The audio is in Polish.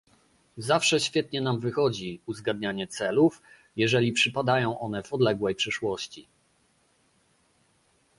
Zawsze świetnie nam wychodzi uzgadnianie celów, jeżeli przypadają one w odległej przyszłości